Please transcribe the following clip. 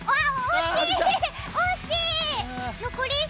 惜しい！